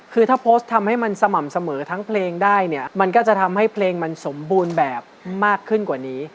คือถ้าโพสต์ทำให้มันสม่ำเสมอทั้งเพลงได้เนี่ยมันก็จะทำให้เพลงมันสมบูรณ์แบบมากขึ้นกว่านี้